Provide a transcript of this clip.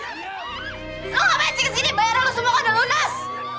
lo ngapain sih kesini bayaran lo semua kan udah lunas